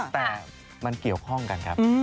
แต่มันเกี่ยวข้องกันครับ